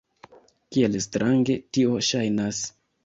Kiel strange tio ŝajnas!